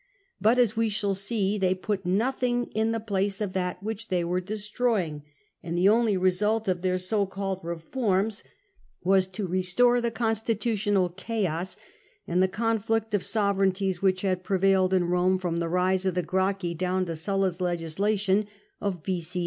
But, as we shall see, they put nothing in the place of that which they were destroying, and the only result of their so called reforms was to restore the constitutional chaos and the conflict of sovereignties which had prevailed in Eome from the rise of the Gracchi down to Sulla's legislation of B.c.